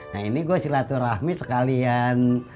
nah ini gue silaturahmi sekalian